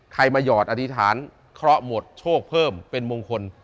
ใครมาหยอดอธิษฐานเคราะห์หมดโชคเพิ่มเป็นมงคล